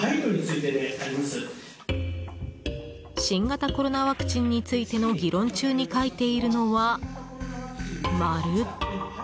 新型コロナワクチンについての議論中に書いているのは、丸。